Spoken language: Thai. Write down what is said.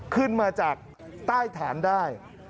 ขึ้นมาจากใต้ฐานได้